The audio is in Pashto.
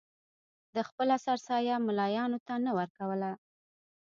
ده خپله سرسایه ملایانو ته نه ورکوله.